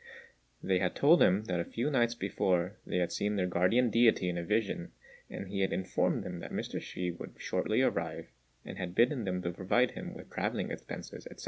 They then told him that a few nights before they had seen their guardian deity in a vision, and he had informed them that Mr. Hsü would shortly arrive, and had bidden them to provide him with travelling expenses, &c.